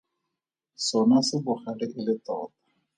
Sona se bogale e le tota.